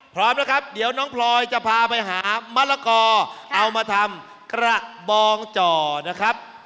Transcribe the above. พร้อมแล้วครับเดี๋ยวน้องพลอยจะพาไปหามะละกอเอามาทำกระบองจ่อนะครับ